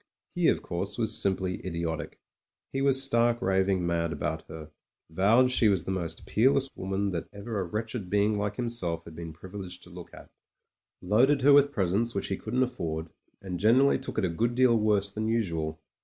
He, of course, was simply idiotic: he was stark, raving mad about her; vowed she was the most peerless woman that ever a wretched being like himself had been privileged to look at; loaded her with presents which he couldn't afford, and generally took it a good deal worse than usual.